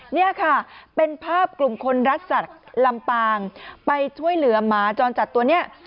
นี่ค่ะเป็นภาพกลุ่มคนรักสัตว์ลำปางไปช่วยเหลือหมาจรจัดตัวเนี่ย